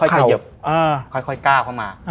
ค่อยก้าวเข้ามา